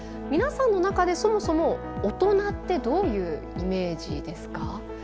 皆さんの中でそもそも大人ってどういうイメージですか？